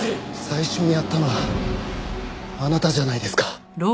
最初にやったのはあなたじゃないですか。